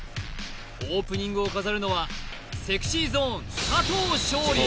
オープニングを飾るのはＳｅｘｙＺｏｎｅ佐藤勝利